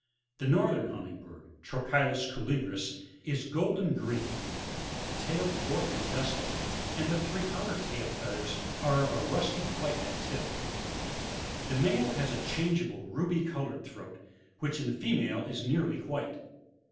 The Northern Hum ming bird, — Trochilus colubris, — is golden green ; the tail forked and dusky, and the three outer tail feathers are of a rusty white at tip. The male has a changeable ruby coloured throat, which in the female is nearly white.